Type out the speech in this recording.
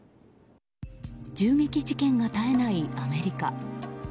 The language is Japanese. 銃撃事件が絶えないアメリカ。